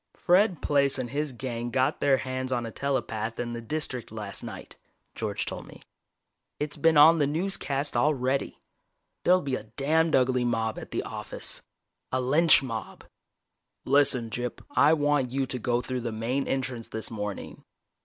"Fred Plaice and his gang got their hands on a telepath in the District last night," George told me. "It's been on the newscast already. There'll be a damned ugly mob at the office a lynch mob. Listen, Gyp, I want you to go through the main entrance this morning."